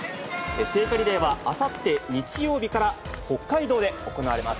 聖火リレーはあさって日曜日から、北海道で行われます。